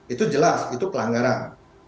itu jelas itu pelanggaran